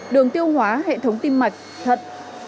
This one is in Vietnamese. đường tiêu hóa hệ thống tim mạch thật